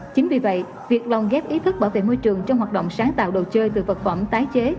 chính vì vậy việc lồng ghép ý thức bảo vệ môi trường trong hoạt động sáng tạo đồ chơi từ vật phẩm tái chế